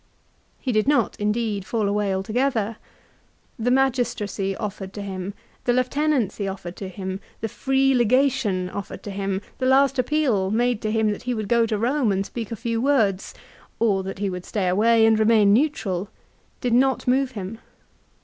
He did not indeed fall away altogether. The magistracy offered to him ; the lieutenancy offered to him, the " Free Legation " offered to him, the last appeal made to him that he would go to Rome and speak a few words, or that he would stay away and remain neutral, did not move him.